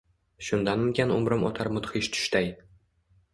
Shundanmikan umrim oʼtar mudhish tushday.